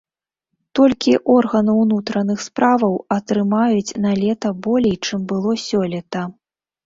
Толькі органы ўнутраных справаў атрымаюць налета болей, чым было сёлета.